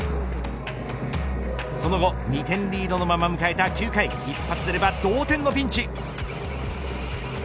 その後２点リードのまま迎えた９回一発出れば同点のピンチ。